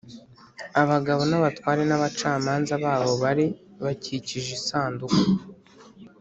abagabo n abatware n abacamanza babo bari bakikije isanduku